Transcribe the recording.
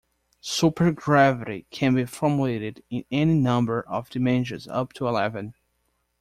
Supergravity can be formulated in any number of dimensions up to eleven.